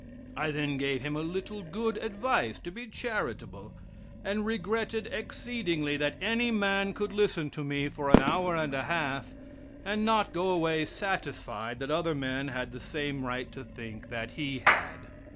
I then gave him a little good advice to be charitable, and regretted exceedingly that any man could listen to me for an hour and a half and not go away satisfied that other men had the same right to think that he had.